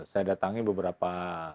saya datangnya beberapa